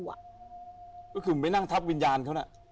ก็คือไปนั่งทับวิญญาณเขาน่ะ